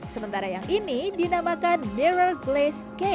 sementara yang ini dinamakan mirror glaze cake